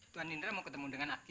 tuan indra mau ketemu dengan aki